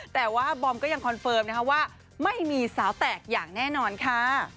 แต่ว่าบอมก็ยังคอนเฟิร์มนะคะว่าไม่มีสาวแตกอย่างแน่นอนค่ะ